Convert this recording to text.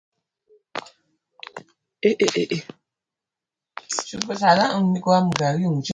One way of classifying and understanding the law is by subject matter.